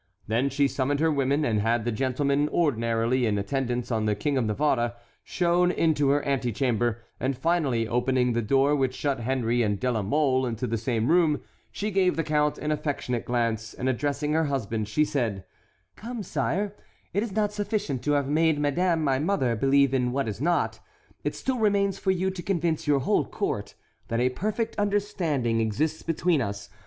Then she summoned her women, and had the gentlemen ordinarily in attendance on the King of Navarre shown into her antechamber, and finally opening the door which shut Henry and De la Mole into the same room, she gave the count an affectionate glance and addressing her husband she said: "Come, sire, it is not sufficient to have made madame my mother believe in what is not; it still remains for you to convince your whole court that a perfect understanding exists between us.